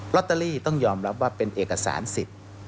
ลอตเตอรี่ต้องยอมรับว่าเป็นเอกสารสิทธิ์